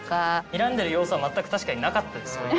にらんでる要素は全く確かになかったですよね